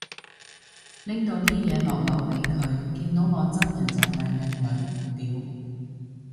拎到啲嘢落樓俾佢，見到我真人就嗌靚女，屌